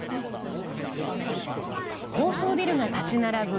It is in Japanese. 高層ビルが立ち並ぶ